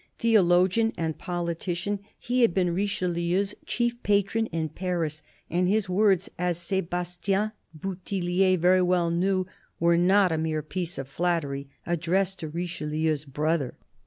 Theologian and politician, he had been Richelieu's 54 CARDINAL DE RICHELIEU chief patron in Paris, and his words, as S6bastien Bouthillier very well knew, were not a mere piece of flattery addressed to Richelieu's brother.